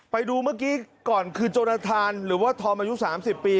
ไปดูเมื่อกี้ก่อนคือโจรทานหรือว่าธอมอายุ๓๐ปี